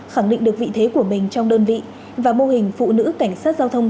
khẳng định được vị thế của mình trong đơn vị và mô hình phụ nữ cảnh sát giao thông